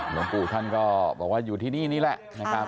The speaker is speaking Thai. หลวงปู่ท่านจะบอกว่ายังไงเนี่ยเดี๋ยวท่านลองฟังดูนะฮะ